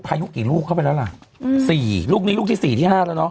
พายุกี่ลูกเข้าไปแล้วล่ะ๔ลูกนี้ลูกที่๔ที่๕แล้วเนอะ